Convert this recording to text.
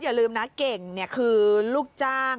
อย่าลืมนะเก่งคือลูกจ้าง